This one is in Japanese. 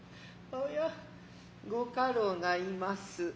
おや御家老が居ます。